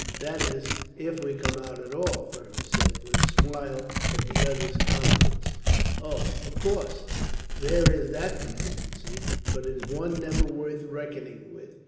"That is, if we come out at all," Fergus said, with a smile at the other's confidence. "Oh! Of course, there is that contingency, but it is one never worth reckoning with.